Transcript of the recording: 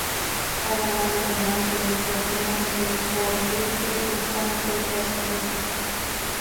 Ha ganado además los torneos de Bolduque y San Petersburgo.